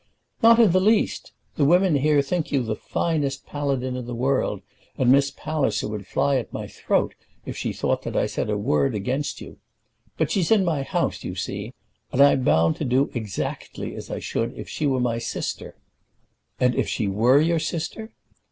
"Not in the least. The women here think you the finest paladin in the world, and Miss Palliser would fly at my throat if she thought that I said a word against you. But she's in my house, you see; and I'm bound to do exactly as I should if she were my sister." "And if she were your sister?"